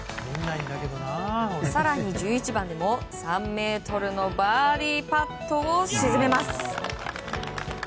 更に１１番でも３ｍのバーディーパットを沈めます。